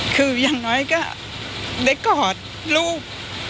คืออย่างน้อยก็ได้กอดลูก